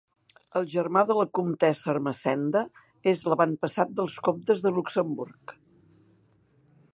El germà de la comtessa Ermessenda és l'avantpassat dels comtes de Luxemburg.